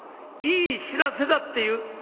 いい知らせだっていう」。